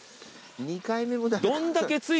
２回目もだ。